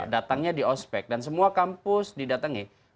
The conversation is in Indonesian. datangnya di ospek dan semua kampus didatangi